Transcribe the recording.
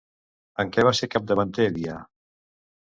En què va ser capdavanter Dia?